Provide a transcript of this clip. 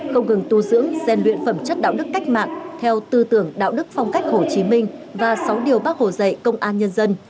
không ngừng tu dưỡng gian luyện phẩm chất đạo đức cách mạng theo tư tưởng đạo đức phong cách hồ chí minh và sáu điều bác hồ dạy công an nhân dân